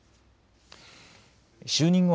就任後